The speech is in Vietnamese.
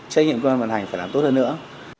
trách nhiệm cơ quan vận hành phải làm tốt hơn nữa